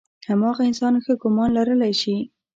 هماغه انسان ښه ګمان لرلی شي.